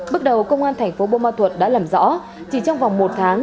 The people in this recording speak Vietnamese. bước đầu công an thành phố bô ma thuật đã làm rõ chỉ trong vòng một tháng